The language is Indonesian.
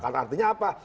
nah artinya apa